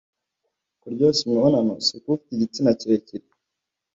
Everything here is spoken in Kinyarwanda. Kuryoshya imibonano si ukuba ufite igitsina kirekire'